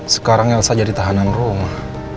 sekarang elsa jadi tahanan rumah